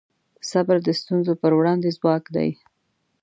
صبر د ستونزو پر وړاندې ځواک دی.